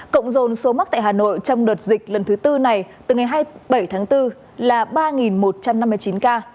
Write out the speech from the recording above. cộng dồn số mắc tại hà nội trong đợt dịch lần thứ tư này từ ngày hai mươi bảy tháng bốn là ba một trăm năm mươi chín ca